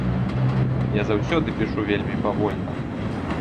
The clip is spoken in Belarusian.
Я заўсёды пішу вельмі павольна.